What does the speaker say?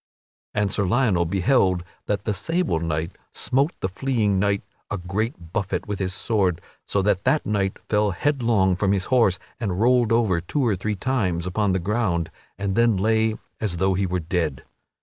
And Sir Lionel beheld that the sable knight smote the fleeing knight a great buffet with his sword, so that that knight fell headlong from his horse and rolled over two or three times upon the ground and then lay as though he were dead.